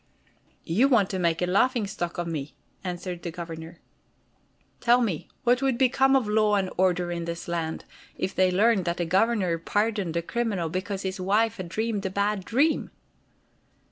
"You want to make a laughing stock of me," answered the Governor. "Tell me, what would become of law and order in this land, if they learned that the Governor pardoned a criminal because his wife has dreamed a bad dream?"